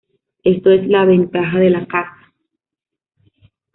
Esto es la ventaja de la casa.